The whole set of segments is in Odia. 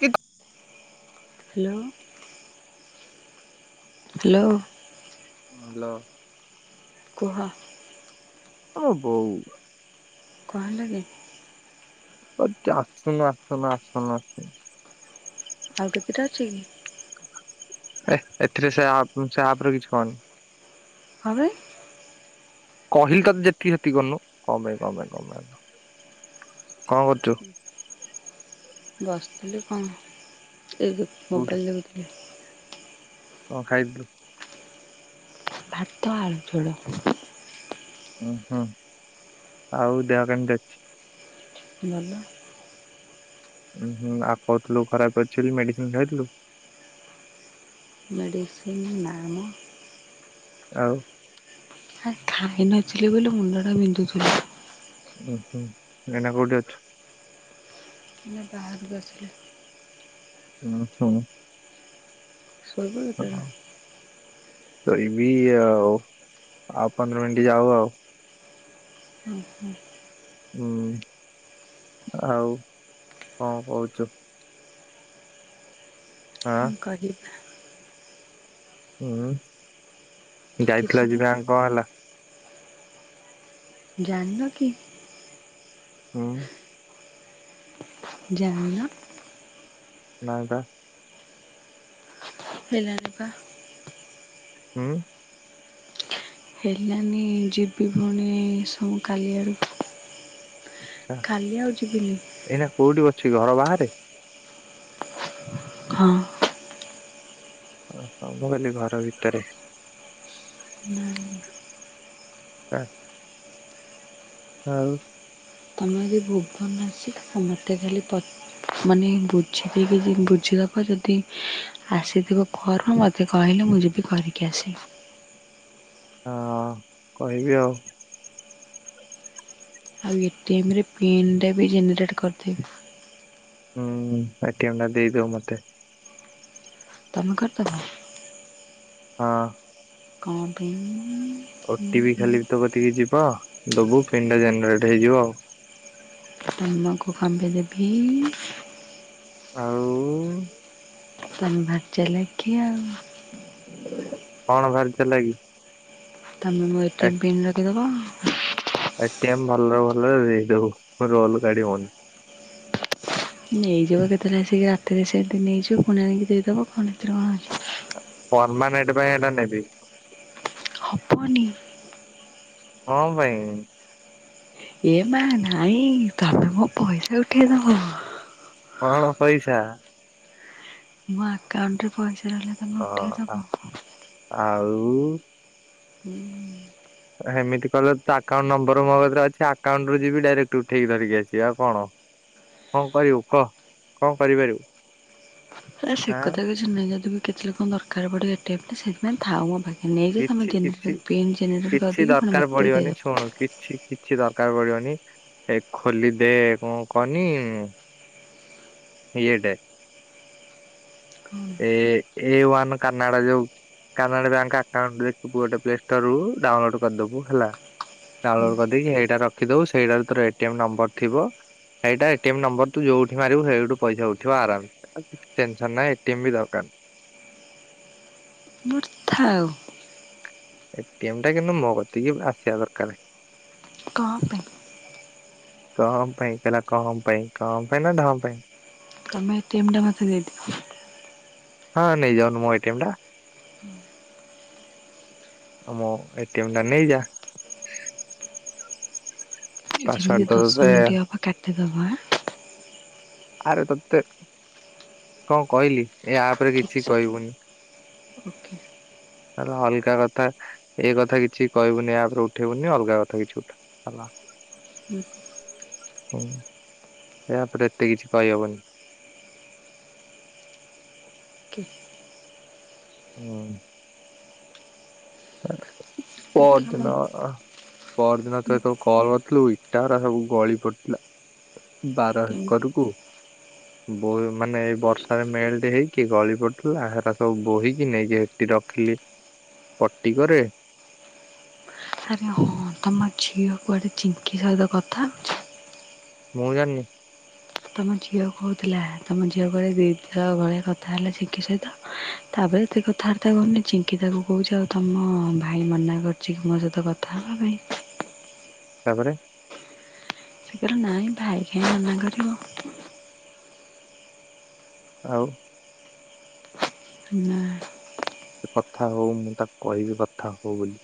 କି ହ୍ୟାଲୋ। ହ୍ୟାଲୋ। ହାଲୋ। କୁହ। ଓ ବଉ। କଣ ହେଲାକି? ଆସୁନ ଆତମା ଆସୁନାତି। ଆଉ କେତେଟା ଅଛି କି? ଏ ଏଥିରେ ସେ ସେ ଆପ ନୁ ସେ ଆପ ରେ କିଛି କହନି। କଣ ପାଇ? କହିଲି ତତେ ଯେତିକି ସେତିକି କରୁନୁ କଣ ପାଇଁ କଣ ପାଇଁ କଣପାଇଁ ତ କଣ କରୁଚୁ? ବସିଥିଲି କଣ ଏ ଯୋଉ କୋଉଠି ମୋବାଇଲ ଦେଖୁ ଥିଲି। କଣ ଖାଇ ଥିଲୁ? ଭାତ ଆଳୁ ଝୋଳ। ଉୁଁ ହୁଁ ଆଉ ଦେହ କେମିତି ଅଛି? ଭଲ। ଉଁ ହୁଁ ଆଉ କହୁଥିଲୁ ଖରାପ ଅଛି ବୋଲି ମେଡିସିନ ଖାଇଥିଲୁ? ମେଡ଼ିସିନ୍ ନାମ। ଆଉ। ଆ ଖଇ ନଥିଲି ବୋଲି ମୁଣ୍ଡ ଟା ବିିନ୍ଧୁଥିଲା। ଉୁଁ ହୁଁ ଏନା କୋଉଠି ଅଛୁ? ମାନେ ବାହାରକୁ ଆସିଲି। ଓହୋ ଶୋଇବ କେତେବେଳେ କରିବି ଆଉ ଆଉ ପନ୍ଦର ମିନିଟ ଯାଉ ଆଉ। ଉଁ ହୁଁ ହୁଁ ଆଉ କଣ କହୁଛ? ଆଁ କଣ କହି ଉଁ କିଛି ଯାଇଥିଲ ଆଜି ନାହିଁ ଗାଁକୁ କଣ ହେଲା? ଜାଣିନ କି? ଉଁ ଜାଣିନ? ନାହିଁ ପା ହେଲାନି ପା ହୁଁ ହେଲାନି ଯିବି ଫୁଣି ସମ କାଲିଆଡ଼କୁ। ଆଚ୍ଛା କାଲି ଆଉ ଯିବିନି। ଏଇନା କୋଉଠି ଅଛି ଘର ବାହାରେ? ହଁ ହ ମୁଁ କହିଲି ଘର ଭିତରେ। ନା [unintelligible] ଆଉ ମୁଁ ଆଜି ଭୁବନ ଆସିଚି ତ ସମସ୍ତେ ଖାଲି ପ ମାନେ ବୁଝିକି ବି ବୁଝିଲା ପରେ [unintelligible] ଆସିଥିବ ଫର୍ମ ମୋତେ କହିଲେ ମୁଁ ଯିବି କରିକି ଆସିବି। ହଁ କହିବି ଆଉ। ଆଉ ଏ-ଟି-ଏମ୍ ରେ ପିନ ଟାବି ଜେନେରେଟ୍ କରିଦେବି। ହୁଁ ଏ-ଟି-ଏମ ଟା ଦେଇଦବୁ ମତେ। ତମେ କରିଦେବ? ହଁ। କଣ ପାଇଁ? ଓ-ଟି-ପି ଖାଲି ତୋ କତିକି ଯିବ ଦବୁ ପିନ୍ ଟା ଜେନେରେଟେ ହେଇଯିବ ଆଉ। ତମକୁ କଣ ପାଇଁ ଦେବି? ଆଉ ଉ ତମେ ଭାରି ଚାଲାକିଆ ଆଉ। କଣ ଭାରି ଚାଲାକି? ତମେ ମୋ ଏ-ଟି-ଏମ ପିନ୍ ରଖିଦେବ। ଏ-ଟି-ଏମ୍ ଭଲରେ ଭଲରେ ଦେଇଦେବୁ ରୋଲ କାଢିବୁନି। ନେଇଯିବ କେତେବେଳେ ଆସିକି ରାତିରେ ସେନ୍ତି ନେଇଯିବ ପୁଣି ଆଣିକି ଦେଇଦେବ କଣ ଏଥିରେ କଣ ଅଛି। ପରମାନେଣ୍ଟ ପାଇଁ ଏଟା ନେବି। ହବନି କଣ ପାଇଁ? ଏ ମା ନାଇଁ ତମେ ମୋ ପଇସା ଉଠେଇଦବ। କଣ ପଇସା? ମୋ ଆକାଉଣ୍ଟରେ ପଇସା ରହିଲେ ତମେ ହଁ। ଉଠେଇଦବ ଆଉ ହୁଁ। ହେମିତି କଲେ ତ ଆକାଉଣ୍ଟ ନମ୍ବର ମୋ କତିରେ ଅଛି ଆକାଉଣ୍ଟରୁ ଯିବି ଡାଇରେକ୍ଟ ଉଠେଇକି ଧରିକି ଆସିବି ଆଉ କଣ? କଣ କହିବୁ କହ? କଣ କରିପାରିବୁ? ହେ ସେ ହାଁ କଥା କିଛି ନାହିଁ ଯଦି ବି କେତେବେଳେ କଣ ଦରକାର ପଡିବ ଏ-ଟି-ଏମ ଟା ସେଥିପାଇଁ ଥାଉ ମୋ ପା ହେନେବି କିଛି ତମେ କିଛି ଗେନେରେ ପିନ୍ ଗେନେରେଟ୍ କିଛି କରିକି ଫୁଣି ଦରକାର ମୋତେ ପଡିବନି ଦେଇଦେବ। ଶୁଣୁ କିଛି କିଛି ଦରକାର ପଡିବନି ଏ ଖୋଲିଦେ କଣ କହନି ଇଏ ଟେ ଏ ଏ ୱାନ୍ କନ୍ନାଡ଼ା ଯୋଉ କାନାଡା ବ୍ୟାଙ୍କ ଆକାଉଣ୍ଟ ଦେଖିବୁ ଗୋଟେ ପ୍ଲେ ଷ୍ଟୋର ରୁ ଡାଉନଲୋଡ୍ କରିଦେବୁ ହେଲା ଡାଉନଲୋଡ କରିଦେଇକି ହେଇଟା ରଖିଦବୁ ସେଇଟାରେ ତୋ ଏ-ଟି-ଏମ୍ ନମ୍ବର ଥିବ ସେଇଟା ଏ-ଟି-ଏମ୍ ନମ୍ବର ତୁ ଯୋଉଠି ମାରିବୁ ସେଇଠୁ ପଇସା ଉଠିବ ଆରାମ୍ ସେ ଟେନେସନ୍ ନାହିଁ। ଟିଭି ଦରକାର ମୋର ଥାଉ ଏ-ଟି-ଏମ୍ ଟା କିନ୍ତୁ ମୋ କତିକି ଆସିବା ଦରକାର। କଣ ପାଇଁ? କଣ ପାଇଁ କହିଲା କଅ ପାଇଁ କଣ ପାଇଁ ନା ଡ଼ଅ ପାଇଁ। ମୋ ଏ-ଟି-ଏମ୍ ଟା ମୋତେ ଦେଇଦିଅ। ହଁ ନେଇଯାଉନୁ ମୋ ଏ-ଟି-ଏମ୍ ଟା। ମୋ ଏ-ଟି-ଏମ୍ ନେଇଯା ପାସୱାର୍ଡ ଯେମିତି ତ ଦଶ ତତେ ମିନିଟି ହେବ କାଟିଦେବ ଆ ଆରେ ତତେ, କଣ କହିଲି ଏ ଆପ ରେ କିଛି କହିବୁନି। ଓକେ। ଏରା ଅଲଗା କଥା ଏଇ କଥା କିଛି କହିବୁନି ଆ ଉପେରେ ଉଠେଇବୁନି ଅଲଗା କଥା କିଛି ଉଠା [unintelligible] ହୁଁ ୟାପରେ ଏତେ କିଛି କହି ହବନି। ଓକେ ଉଁ। ହେ ଦେଖିଆ ମୋ ପଅରଦିନ ପଅରଦିନ ତୁ ଯେତବେଳୁ କଲ୍ କରିଥିଲୁ ଇଟାଗୁରା ସବୁ ଗଳି ପଡିଥିଲା। ବାର ହେକରୁକୁ। ବୋହି ମାନେ ବର୍ଷାରେ ମେଲ୍ଟେ ହେଇକି ଗଳି ପଡିଥିଲା ହେରା ସବୁ ବୋହିକି ନେଇକି ହେ କି ରଖିଲି। ଟିଗରେ ଆରେ ହଁ ତମ ଝିଅ କୁଆଡେ ଚିଙ୍କି ସହିତ କଥା ହଉଛି। ମୁଁ ଜାଣିନି। ତମ ଝିଅ କହୁଥିଲା ତମ ଝିଅ କୁଆଡେ ଦିଥର ଭଳିଆ କଥା ହେଲା ଚିଙ୍କି ସହିତ। ତାପରେ ଏତେ କଥାବାର୍ତ୍ତା କରୁନି ଚିଙ୍କି ତାକୁ କହୁଛି ଆଉ ତମ ଭାଇ ମନା କରିଛି କି ମୋ ସହିତ କଥା ହବା ପାଇଁ। ତାପରେ ସିଏ କହିଲା ନାଇଁ ଭାଇ କାହିଁ ମନା କରିବ। ଆଉ [unintelligible] ସେ କଥା ହଉ ମୁଁ ତାକୁ କହିବି କଥା ହୋ ବୋଲି।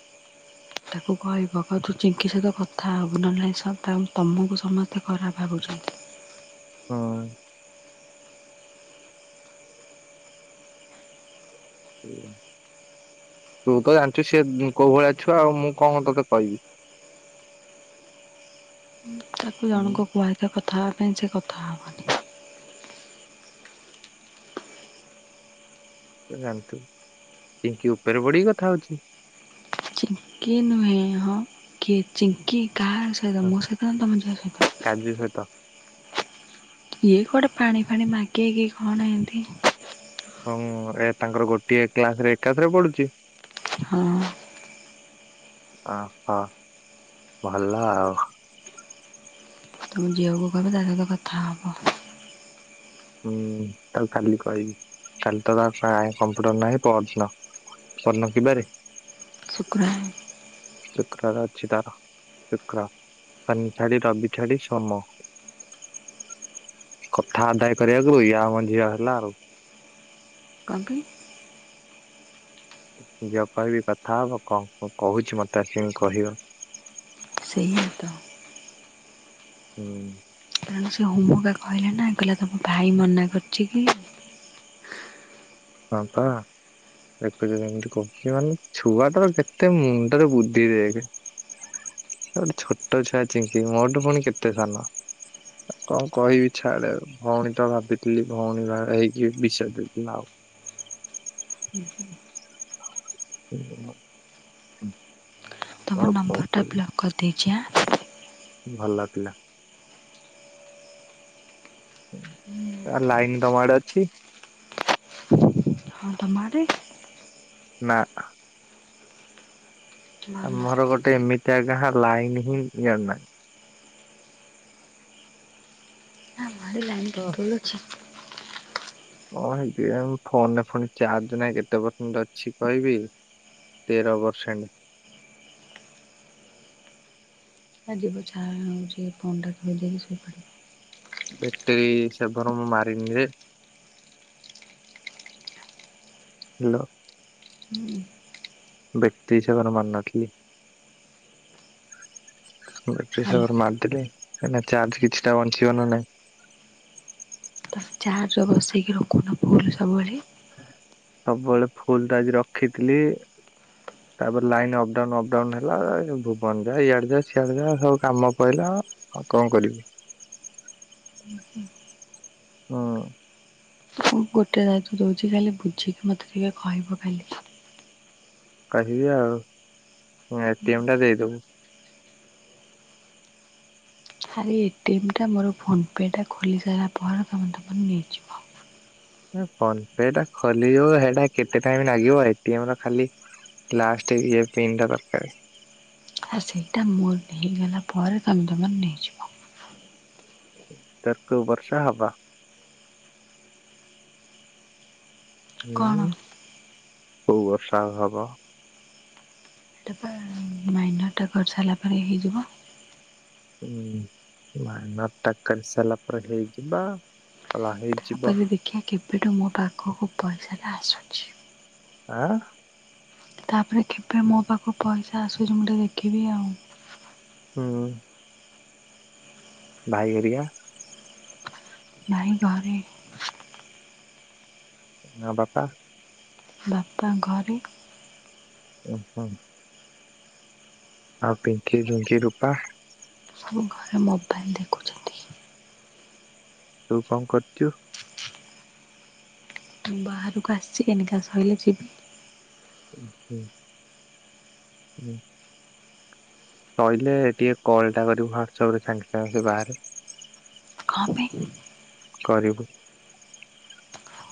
ତାକୁ କହିବ କହିବ ତୁ ଚିଙ୍କି ସହିତ କଥା ହବୁ ନହେଲେ ନାହିଁ [unintelligible] ତମୁକୁ ସମସ୍ତେ ଖରାପ ଭାବୁଛନ୍ତି। ହଁ। ସେଇଆ ତୁ ତ ଜାଣିଛୁ ସିଏ ଉଁ କୋଉ ଭଳିଆ ଛୁଆ ଆଉ ମୁଁ କଣ ତତେ କହିବି। ତାକୁ ମୁଁ ଜଣୁଙ୍କୁ କୁହା ହେଇଥିବ କଥା ହବା ପାଇଁ ସେ କଥା ହବନି। ତୁ ତ ଜାଣିଥିବୁ ପିଙ୍କି ଉପେରେ ପଡିକି କଥା ହଉଛି। କିଏ ନୁହେଁ ହଁ କିଏ ଚିଙ୍କି କାହା ସହିତ ମୋ ସହିତ ନା ତମ ଝିଅ ସହିତ। କାଜୁ ସହିତ। କିଏ କୁଆଡେ ପାଣି ଫାଣି ମାଗେ କି କଣ ଏନ୍ତି। ହଁ ମୁଁ ଏ ତାଙ୍କର ଗୋଟିଏ କ୍ଲାସରେ ଏକାଥରେ ପଢୁଚି। ହଁ। ଆଉ ହଁ ଭଲ ଆଉ। ତମ ଝିଅକୁ କହିବୁ ତା ସହିତ କଥା ହବ। ହୁଁ ତାକୁ କାଲି କହିବି କାଲି ତ ତାର ପ୍ରାୟ କମ୍ପ୍ୟୁଟର ନାହିଁ ପଅରଦିନ ପଅରଦିନ କି ବାରେ। ଶୁକ୍ରଆର। ଶୁକ୍ରୁବାର ଅଛି ତାର। ଶୁକ୍ର ଶନି ଛାଡି ରବି ଛାଡି ସୋମ। କଥା ଆଦାୟ କରିବାକୁ ଇଏ ଆମ ଝିଅ ହେଲା ଆଉ। କଁ ପେଇଁ। ଝିଅକୁ କହିବି କଥା ହବ କଁ କଁ କହୁଛି ମତେ ଆସିକିନି କହିବ। ସେହିଆ ତ। ହୁଁ। ତାଣୁ ସେ ହମୁ ହକା କହିଲେ ନା କହିଲା ତମ ଭାଇ ମନା କରିଛି କି। ହଁ ପା। ଦେଖୁଚୁ କେମତି କହୁଚି ମାନେ ଛୁଆଟାର କେତେ ମୁଣ୍ଡେରେ ବୁଦ୍ଧି ଦେଖେ। ସିଏ ଗୋଟେ ଛୋଟ ଛୁଆ ଚିଙ୍କି ମୋଠୁ ପୁଣି କେତେ ସାନ। କଣ କହିବି ଛାଆଡେ ଆଉ। ଭଉଣୀ ଟା ଭାବିଥିଲି ଭଉଣୀ ହେଇକି ବିଷ ଦେଇଦେଲା ଆଉ। ହୁଁ ହୁଁ। [unintelligible] ତମ ଆଉ କଣ ନମ୍ବରଟା କହିବି ବ୍ଲକ୍ କରିଦେଇଚି ଆଁ। ଭଲ ଥିଲା। ଆ ଲାଇନ ତମଆଡେ ଅଛି? ମାରେ। ନା। ଭଲ ଆମର ଗୋଟେ ଏମିତିଆ ଗାଁ ଲାଇନ ହିଁ ଜଣନାହିଁ। [unintelligible] ହଁ ହେବି ଆଉ, ଫୋନରେ ଫୁଣି ଚାର୍ଜ ନାହିଁ କେତେ ପର୍ସେଣ୍ଟ ଅଛି କହିବି। ତେର ପରସେଣ୍ଟ। [unintelligible] ବ୍ୟାକ୍ଟେରି ସେଭର ମୁଁ ମାରିନି ରେ। ହ୍ୟାଲୋ। ହୁଁ। ବ୍ୟକ୍ତି ହିସାବରେ ମାନେ ରଖିଲି। ବେଟିରି ଭଲ ସାବର ମାରିଦେଲେ କାଇଁ ନା ଚାର୍ଜ କିଛିଟା ବଞ୍ଚିବ ନା ନାଇଁ। ଚାର୍ଜ ବସେଇକି ରଖୁନ ଫୁଲ ସବୁବେଳେ। ସବୁବେଳେ ଫୁଲ ଟା ଆଜି ରଖିଥିଲି। ତାପରେ ଲାଇନ ଅପଡାଉନ ଅପଡାଉନ ହେଲା, ଭୁବନ ଯା ଇଆଡେ ଯା ସିଆଡ ଯା ସବୁ କାମ ପଇଲା ଆଉ କଣ କରିବି? [unintelligible] ହଁ। ମୁଁ ଗୋଟେ ଦାୟୁତ ଦଉଚି ଖାଲି ବୁଝିକି ମୋତେ ଟିକେ କହିବ ଖାଲି। କରିବି ଆଉ, ମୋ ଏଟିମ୍ ଟା ଦେଇଦବୁ। ଆରେ ଏଟିମ୍ ଟା ମୋର ଫୋନ୍ ପେ ଟା ଖୋଲିସାରିଲା ପରେ ତୁମେ ତମର ନେଇଯିବ। ଫୋ ପେ ଟା ଖୋଲିବୁ ସେଟା କେତେ ଟାଇମ୍ ଲାଗିବ ଏଟିମ୍ ଟା ଖାଲି। ଲାଷ୍ଟ ଇଏ ପିନ୍ ଟା ଦରକାରେ। ହେ ସେଇଟା ମୋର ହେଇଗଲା ପରେ ତମେ ତମର ନେଇଯିବ। ତର୍କ ବର୍ଷା ହବା। କଣ ହୁଁ କୋଉ ବର୍ଷା ହବ? [unintelligible] ଅଟା କରି ସାରିଲା ପରେ ହେଇଯିବ। ହୁଁ ମାଇ ନଟା କରି ସାରିଲା ପରେ ହେଇଯିବା ଭ ତାପରେ ଦେଖିବା କେବେଠୁ ମୋ ପାଖୁକୁ ପଇସାଟା ଆସୁଚି। ଆଁ। ତାପରେ କେବେ ମୋ ପାଖୁକୁ ପଇସା ଆସୁଚି ମୁଁ ଟିକେ ଦେଖିବି ଆଉ। ହୁଁ। ଭାଇ ହେରିକା? ଭାଇ ଘରେ। ଆଉ ବାପା? ବାପା ଘରେ। ଓହୋ। ଆଉ ପିଙ୍କି, ଝୁଙ୍କି, ରୂପା? ସବୁ ଘରେ ମୋବାଇଲ୍ ଦେଖୁଛି। ତୁ କଣ କରୁଚୁ? ମୁଁ ବାହାରକୁ ଆସ୍ଚି କେନିକା ସ‌ଇଲେ ଯିବି। ଉ ହୁଁ। ହୁଁ। ସଇଲେ ଟିକେ କଲ୍ ଟା କରିବୁ ହ୍ୱାଟସପ୍ ରେ ସାଙ୍ଗ୍ ସାଙ୍ଗେ ସେ ବାହାରେ। କ ପାଇଁ? କରିବୁ।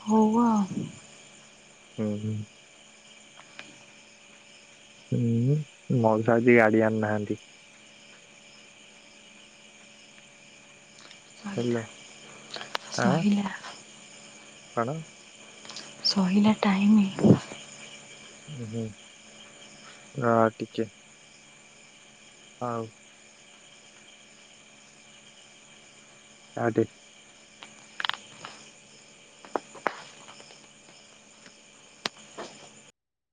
ହଉଆ ହୁଁ -ହୁଁ। ହୁଁ ମଉସା ଆଜି ଗାଡି ଆଣି ନାହାନ୍ତି। ହାଲୋ। କହିଲା। କଣ? କହିଲା ଟାଇମି। ହୁଁ ରହ ଟିକେ। ହଉ। କାଟେ।